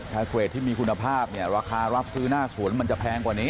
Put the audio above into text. เกรดที่มีคุณภาพเนี่ยราคารับซื้อหน้าสวนมันจะแพงกว่านี้